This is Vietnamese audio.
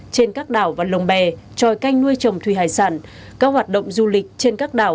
trên các đảo và lồng bè tròi canh nuôi trồng thủy hải sản các hoạt động du lịch trên các đảo